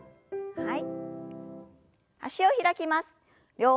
はい。